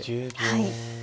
はい。